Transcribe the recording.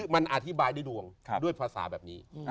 มันอธิบายด้วยดวงด้วยภาษาแบบนี้